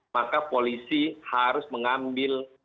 maka polisi harus mengambil